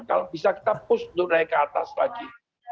kalau bisa kita push untuk naik ke atas lagi